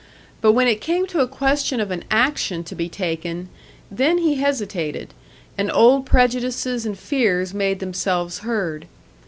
But when it came to a question of an action to be taken then he hesitated, and old prejudices and fears made themselves heard.